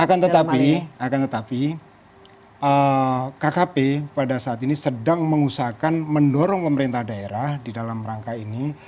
akan tetapi akan tetapi kkp pada saat ini sedang mengusahakan mendorong pemerintah daerah di dalam rangka ini